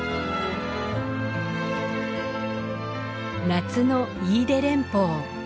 夏の飯豊連峰。